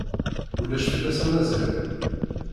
Ulac fell-as a Maziɣ.